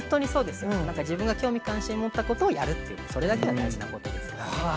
自分が興味、関心を持ったことをやる、それだけが大事なことです。